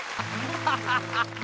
ハハハハ！